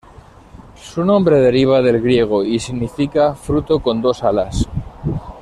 Su nombre deriva del griego y significa "fruto con dos alas".